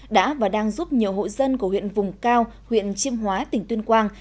đã và đang giúp nhiều hộ dân của huyện vùng cao huyện chiêm hóa tỉnh tuyên quang